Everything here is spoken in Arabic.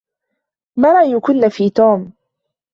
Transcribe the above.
ما رأيكنّ في توم؟